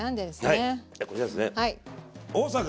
はいこちらですね。